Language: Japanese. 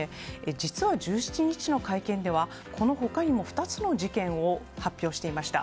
実は１７日の会見ではこの他にも２つの事件を発表していました。